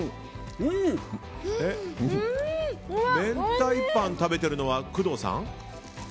明太パンを食べてるのは工藤さん？